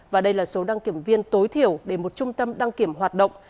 và đây là số đăng kiểm viên tối thiểu để một trung tâm đăng kiểm hoạt động